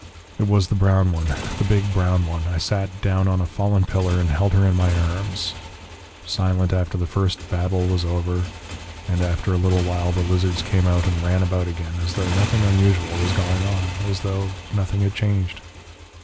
"It was the brown one, the big brown one. I sat down on a fallen pillar and held her in my arms.... Silent after the first babble was over. And after a little while the lizards came out and ran about again, as though nothing unusual was going on, as though nothing had changed....